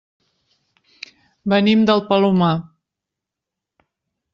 Venim del Palomar.